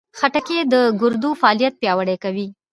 خټکی د ګردو فعالیت پیاوړی کوي.